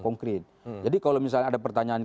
konkret jadi kalau misalnya ada pertanyaan